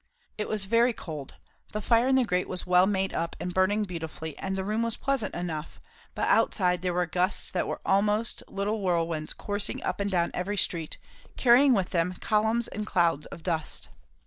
It was very cold; the fire in the grate was well made up and burning beautifully and the room was pleasant enough; but outside there were gusts that were almost little whirlwinds coursing up and down every street, carrying with them columns and clouds of dust.